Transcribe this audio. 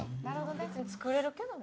別に作れるけどね？